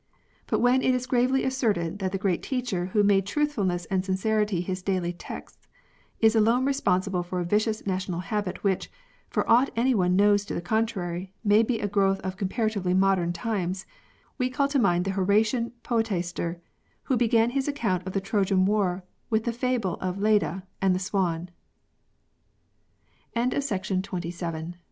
But when it is gravely asserted that the great teacher who made truthfulness and sincerity his daily texts, is alone responsible for a vicious national habit which, for aught any one knows to the contrary, may be a growth of comparatively modern times, we call to mind the Horatian poetaster, who began his account of the Trojan war w